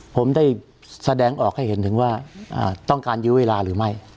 ผมได้แสดงออกให้เห็นถึงว่าต้องการยื้อเวลาหรือไม่